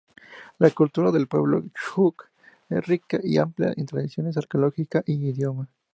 La cultura del pueblo chuj es rica y amplia en tradiciones, arqueología e idioma.